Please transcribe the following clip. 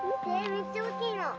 めっちゃ大きいの。